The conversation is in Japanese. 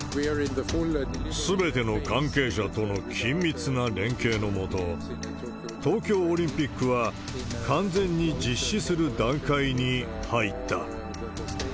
すべての関係者との緊密な連携の下、東京オリンピックは完全に実施する段階に入った。